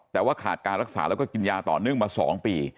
แต่ว่าขาดการรักษาแล้วก็กินยาต่อเนื่องมา๒ปี